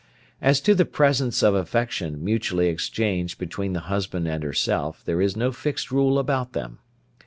As to the presents of affection mutually exchanged between the husband and herself there is no fixed rule about them.